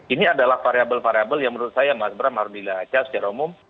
ini adalah variabel variabel yang menurut saya mas bram harus dilahirkan secara umum